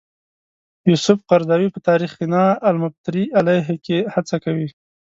یوسف قرضاوي په تاریخنا المفتری علیه کې هڅه کوي.